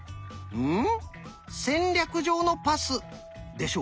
うん。